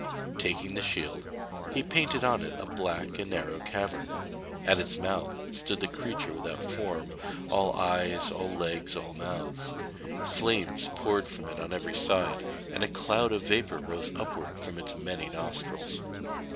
Taking the shield, he painted on it a black and narrow cavern. At its mouth stood the creature without form; all eyes, all legs, all mouths. Flames poured from it on every side, and a cloud of vapour rose upwards from its many nostrils.